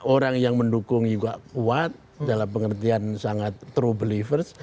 orang yang mendukung juga kuat dalam pengertian sangat true beliverse